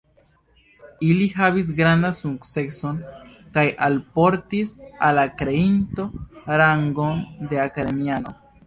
Ili havis grandan sukceson kaj alportis al la kreinto rangon de akademiano.